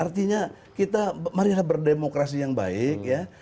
artinya kita marilah berdemokrasi yang baik ya